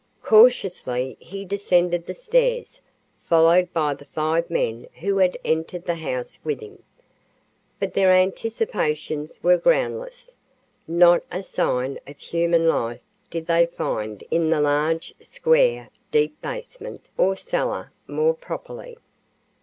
Cautiously he descended the stairs, followed by the five men who had entered the house with him. But their anticipations were groundless. Not a sign of human life did they find in the large, square, deep basement, or cellar, more properly.